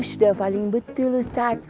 sudah paling betul ustadz